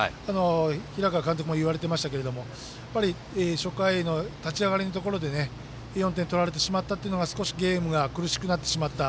平川監督も言われていましたけど初回の立ち上がりのところで４点取られてしまったというのが少しゲームが苦しくなってしまった。